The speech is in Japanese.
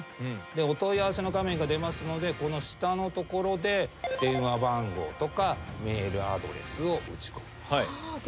でお問い合わせの画面が出ますのでこの下のところで電話番号とかメールアドレスを打ち込みます。